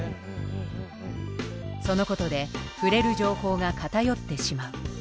そのことで触れる情報が偏ってしまう。